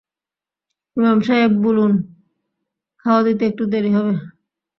ইমাম সাহেব বুলুন, খাওয়া দিতে একটু দেরি হবে।